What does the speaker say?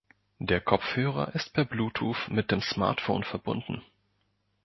Der Kopfhörer ist per Bluetooth mit dem Smartphone verbunden.